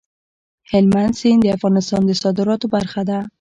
هلمند سیند د افغانستان د صادراتو برخه ده.